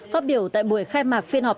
phát biểu tại buổi khai mạc phiên họp